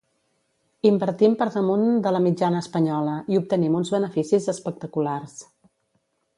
Invertim per damunt de la mitjana espanyola, i obtenim uns beneficis espectaculars.